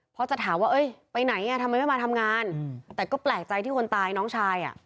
เพราะจะถามว่าเอ้ยไปไหนอ่ะทำไมไม่มาทำงานแต่ก็แปลกใจที่คนตายน้องชายอ่ะ